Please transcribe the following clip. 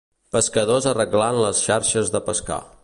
Pescadors arreglant les xarxes de pescar.